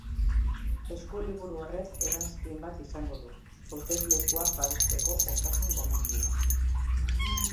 Eskuliburu horrek eranskin bat izango du, hauteslekuak babesteko osasun-gomendioekin.